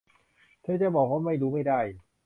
เธอจะบอกว่าไม่รู้ไม่ได้